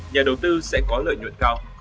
nhà đầu tư sẽ có lợi nhuận cao